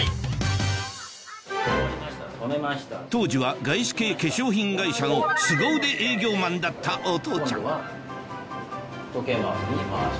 当時は外資系化粧品会社のスゴ腕営業マンだったお父ちゃん時計回りに回すと。